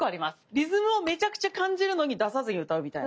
リズムをめちゃくちゃ感じるのに出さずに歌うみたいな。は。